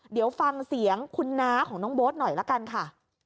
เดี๋ยวฟังเสียงคุณน้าของน้องโบ๊ทหน่อยละกันค่ะ